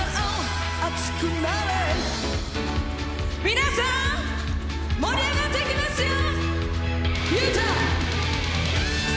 皆さん盛り上がっていきますよ！